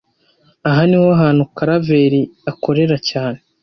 Aha niho hantu Karaveri akorera cyane